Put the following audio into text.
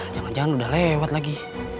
jangan jangan udah lewat lagi